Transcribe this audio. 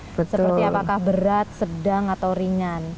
seperti apakah berat sedang atau ringan